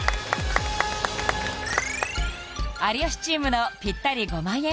有吉チームのぴったり５万円